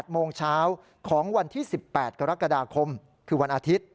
โมงเช้าของวันที่๑๘กรกฎาคมคือวันอาทิตย์